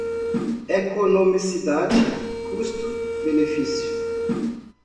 economicidade, custo, benefício